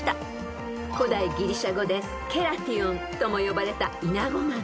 ［古代ギリシャ語でケラチオンとも呼ばれたイナゴ豆］